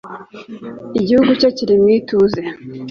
igihugu cye kiri mu ituze